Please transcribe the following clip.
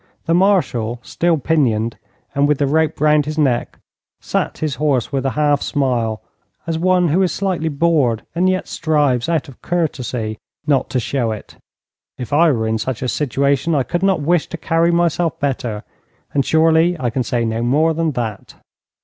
The Marshal, still pinioned, and with the rope round his neck, sat his horse with a half smile, as one who is slightly bored and yet strives out of courtesy not to show it. If I were in such a situation I could not wish to carry myself better, and surely I can say no more than that.